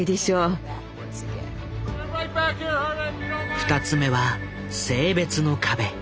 ２つ目は性別の壁。